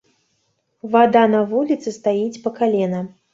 Вада на вуліцы стаіць па калена.